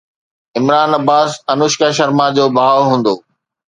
عمران عباس انوشڪا شرما جو ڀاءُ هوندو